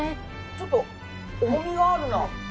ちょっと重みがあるな。